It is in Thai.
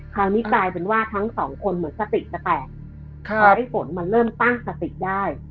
คราวนี้กลายเป็นว่าทั้งสองคนเหมือนสติจะแตกทำให้ฝนมันเริ่มตั้งสติได้